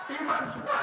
imam suhaid tidak makar